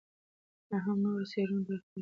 لا هم نورو څېړنو ته اړتیا ده.